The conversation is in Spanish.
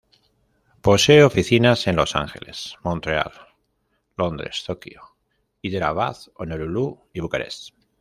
Posee oficinas en Los Ángeles, Montreal, Londres, Tokio, Hyderabad, Honolulu y Bucarest.